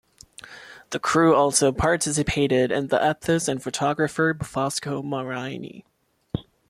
The crew also participated in the ethos and photographer Fosco Maraini.